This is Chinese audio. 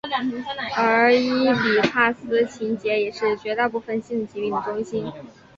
而伊底帕斯情结也是绝大部分心理疾病的中心。